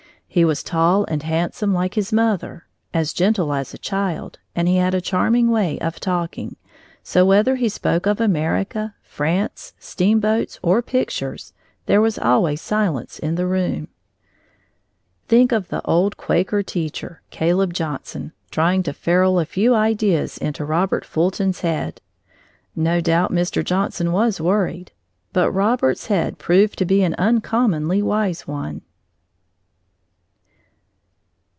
He was tall and handsome, like his mother, as gentle as a child, and he had a charming way of talking, so whether he spoke of America, France, steamboats, or pictures, there was always silence in the room. Think of the old Quaker teacher, Caleb Johnson, trying to ferule a few ideas into Robert Fulton's head! No doubt Mr. Johnson was worried, but Robert's head proved to be an uncommonly wise one.